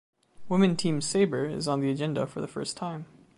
Women team sabre is on the agenda for this first time.